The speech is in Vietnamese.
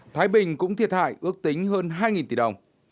thái bình cũng thiệt hại ước tính hơn hai tỷ đồng